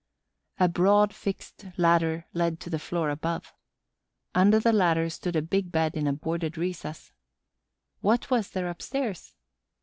A broad fixed ladder led to the floor above. Under the ladder stood a big bed in a boarded recess. What was there upstairs?